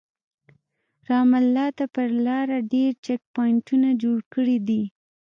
رام الله ته پر لاره ډېر چک پواینټونه جوړ کړي دي.